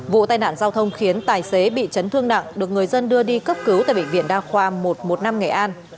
vụ tai nạn giao thông khiến tài xế bị chấn thương nặng được người dân đưa đi cấp cứu tại bệnh viện đa khoa một trăm một mươi năm nghệ an